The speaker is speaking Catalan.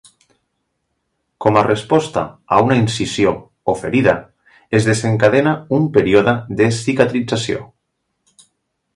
Com a resposta a una incisió o ferida, es desencadena un període de cicatrització.